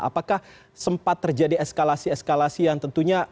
apakah sempat terjadi eskalasi eskalasi yang tentunya